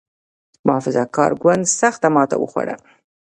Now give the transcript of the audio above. محافظه کار ګوند سخته ماته وخوړه.